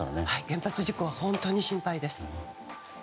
原発事故が本当に心配です。